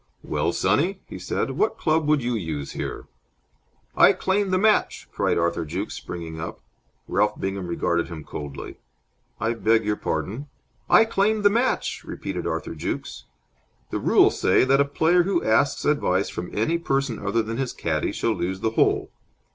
"Well, sonny," he said, "what club would you use here?" "I claim the match!" cried Arthur Jukes, springing up. Ralph Bingham regarded him coldly. "I beg your pardon?" "I claim the match!" repeated Arthur Jukes. "The rules say that a player who asks advice from any person other than his caddie shall lose the hole."